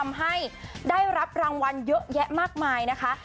ได้รับรางวัลเยอะแยะมากมายนะคะ